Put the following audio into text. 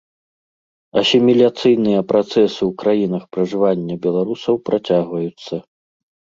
Асіміляцыйныя працэсы ў краінах пражывання беларусаў працягваюцца.